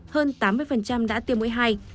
hơn tám mươi đã tiêm mũi hai